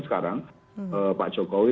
sekarang pak jokowi